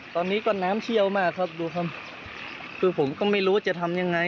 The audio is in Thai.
ตอนนี้ก็น้ำเชี่ยวมากครับดูครับคือผมก็ไม่รู้จะทำยังไง